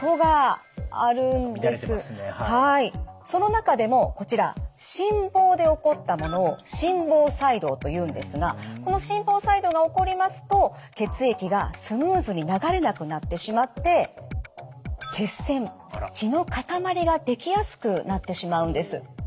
その中でもこちら心房で起こったものを心房細動というんですがこの心房細動が起こりますと血液がスムーズに流れなくなってしまって血栓血の塊ができやすくなってしまうんです。